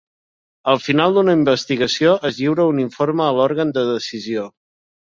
Al final d'una investigació, es lliura un informe a l'Òrgan de Decisió.